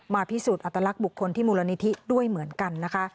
พิสูจน์อัตลักษณ์บุคคลที่มูลนิธิด้วยเหมือนกันนะคะ